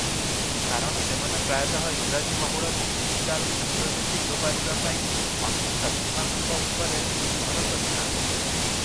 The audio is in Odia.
କାରଣ ସେମାନେ ପ୍ରାୟତଃ ଇଂରାଜୀ-ବହୁଳ ଡିଜିଟାଲ କ୍ଷେତ୍ରରେ ଦିଗ ବାରିବା ପାଇଁ ଅନ୍ୟ ସାଥୀମାନଙ୍କ ଉପରେ ନିର୍ଭର କରିଥାନ୍ତି ।